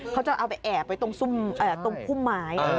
เขาจะเอาไปแอบไปตรงพุมหมาย